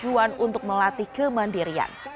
bertujuan untuk melatih kemandirian